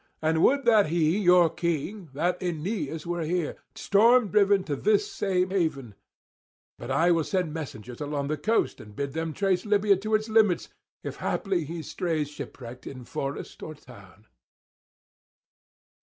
And would that he your king, that Aeneas were here, storm driven to this same haven! But I will send messengers along the coast, and bid them trace Libya to its limits, if haply he strays shipwrecked in forest or town.'